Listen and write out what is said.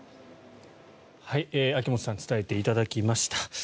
秋本さんに伝えていただきました。